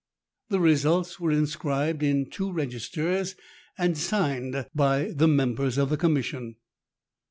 The results were inscribed in two registers, and signed by the members of the Commission.